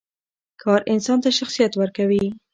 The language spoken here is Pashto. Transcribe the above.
کار انسان ته شخصیت ورکوي.